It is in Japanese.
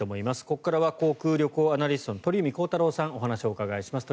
ここからは航空・旅行アナリスト鳥海高太朗さんにお話をお伺いします。